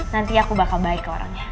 nanti aku bakal baik ke orangnya